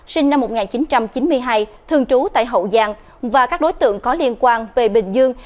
sinh năm một nghìn chín trăm chín mươi hai thường trú tại hậu giang và các đối tượng có liên quan về bình dương